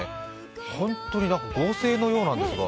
本当に合成のようですが。